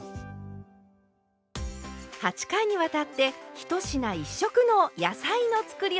８回にわたって「１品１色の野菜のつくりおき」